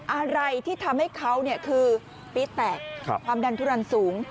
อะไรที่ทำให้เขาคือปี๊ดแตกความดันทุรันสูง